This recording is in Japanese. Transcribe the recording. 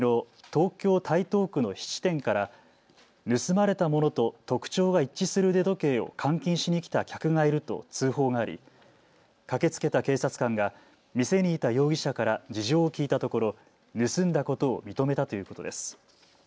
東京台東区の質店から盗まれたものと特徴が一致する腕時計を換金しに来た客がいると通報があり駆けつけた警察官が店にいた容疑者から事情を聞いたところ、盗んだことを認めたということです。